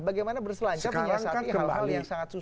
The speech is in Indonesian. bagaimana berselancar menyelesaikan hal hal yang sangat susah ini